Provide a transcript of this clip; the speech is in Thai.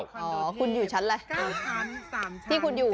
ที่คุณอยู่รายชาติไหน